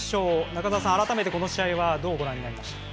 中澤さん、改めてこの試合はどうご覧になりましたか？